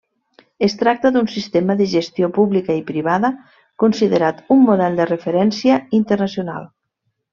Es tracta d'un sistema de gestió pública i privada considerat un model de referència internacional.